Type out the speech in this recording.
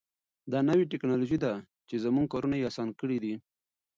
دا نوې تکنالوژي ده چې زموږ کارونه یې اسانه کړي دي.